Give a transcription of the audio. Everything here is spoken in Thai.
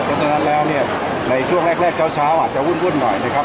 เพราะฉะนั้นแล้วเนี่ยในช่วงแรกเช้าอาจจะวุ่นหน่อยนะครับ